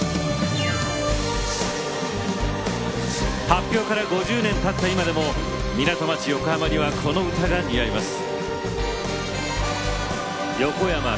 発表から５０年たった今でも港町・横浜にはこの歌が似合います。